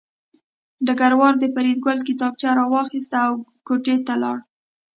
ډګروال د فریدګل کتابچه راواخیسته او کوټې ته لاړ